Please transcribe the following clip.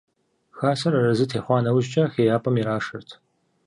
Хасэр арэзы техъуа нэужькӀэ хеяпӀэм ирашэрт.